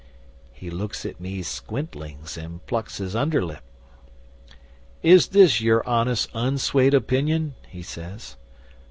'He looks at me squintlings and plucks his under lip. '"Is this your honest, unswayed opinion?" he says.